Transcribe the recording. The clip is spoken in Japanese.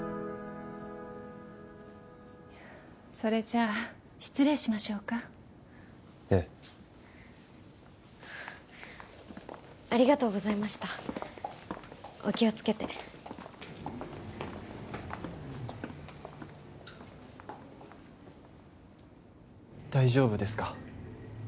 それじゃあ失礼しましょうかええありがとうございましたお気をつけて大丈夫ですか？